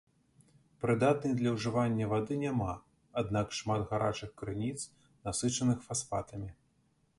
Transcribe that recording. Прыдатнай для ўжывання вады няма, аднак шмат гарачых крыніц, насычаных фасфатамі.